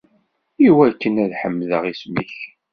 Iwakken ad ḥemdeɣ isem-ik!